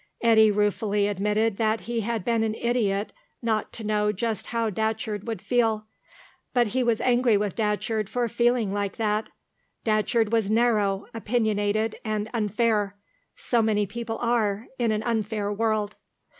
Eddy ruefully admitted that he had been an idiot not to know just how Datcherd would feel. But he was angry with Datcherd for feeling like that. Datcherd was narrow, opinionated, and unfair. So many people are, in an unfair world.